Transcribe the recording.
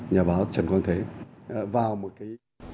nhà báo trần quang thế vào một kỳ